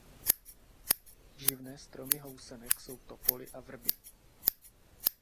Živné stromy housenek jsou topoly a vrby.